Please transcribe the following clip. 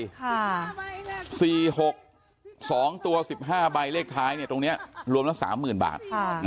ค่ะสี่หกสองตัวสิบห้าใบเลขท้ายเนี่ยตรงเนี้ยรวมละสามหมื่นบาท